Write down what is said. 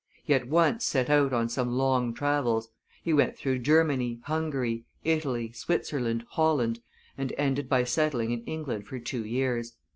He at once set out on some long travels; he went through Germany, Hungary, Italy, Switzerland, Holland, and ended by settling in England for two years.